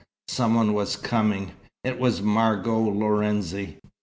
Some one was coming. It was Margot Lorenzi.